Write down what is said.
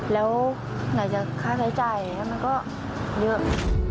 แล้วอาจจะค่าใช้จ่ายแล้วมันก็เยอะ